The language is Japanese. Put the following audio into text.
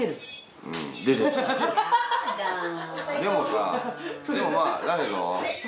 でもさでもまあだけど。